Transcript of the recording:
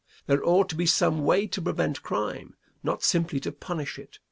There ought to be some way to prevent crime; not simply to punish it.